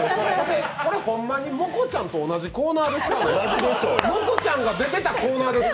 これ、ほんまにモコちゃんと同じコーナーですか。